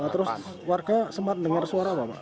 terus warga sempat mendengar suara apa pak